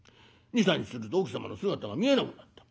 ２３日すると奥様の姿が見えなくなった。